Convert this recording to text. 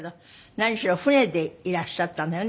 何しろ船でいらっしゃったのよね？